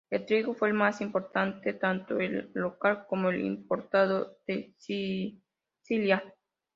El trigo fue el más importante, tanto el local como el importado de Sicilia.